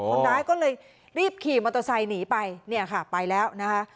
คนร้ายก็เลยรีบขี่มอเตอร์ไซค์หนีไปเนี่ยค่ะไปแล้วนะคะ